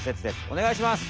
おねがいします！